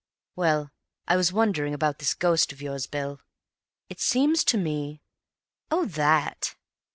Well, I was wondering about this ghost of yours, Bill. It seems to me—" "Oh, _that!